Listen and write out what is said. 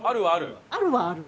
あるはある？